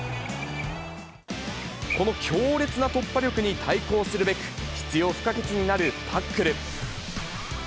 この強烈な突破力に対抗するべく、必要不可欠になるタックル。